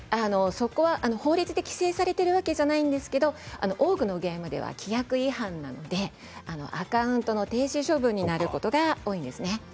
法律で規制されているわけではないんですが多くのゲームでは規約違反なのでアカウントの停止処分になることが多いですね。